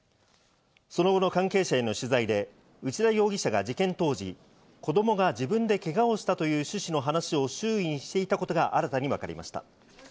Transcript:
その後の関係者への取材で内田容疑者が事件当時、子供が自分でけがをしたという趣旨の話を周囲にしていたことが新たに分かりました。